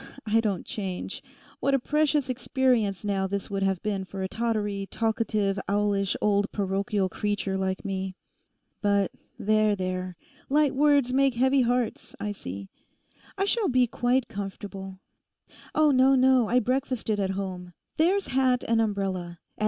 I don't change. What a precious experience now this would have been for a tottery, talkative, owlish old parochial creature like me. But there, there. Light words make heavy hearts, I see. I shall be quite comfortable. No, no, I breakfasted at home. There's hat and umbrella; at 9.